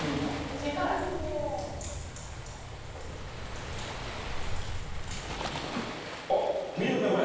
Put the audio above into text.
「短い」おっ見てくださいこれ。